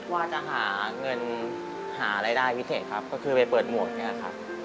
ว่าจะหาเงินหารายได้พิเศษครับก็คือไปเปิดหมวกเนี่ยครับ